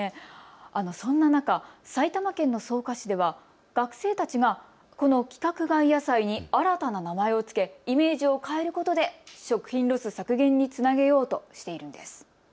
そんな中、埼玉県の草加市では学生たちがこの規格外野菜に新たな名前を付け、イメージを変えることで食品ロス削減につなげようとしているんです。